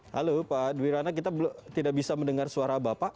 halo pak dwirana kita tidak bisa mendengar suara bapak